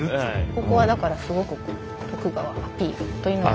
ここはだからすごく徳川アピールというのが。